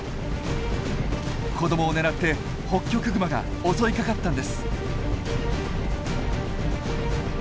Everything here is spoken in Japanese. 子どもを狙ってホッキョクグマが襲いかかったんです！